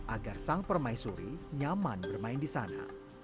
agar sang permaisuri nyaman bermain di sana